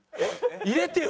入れてよ。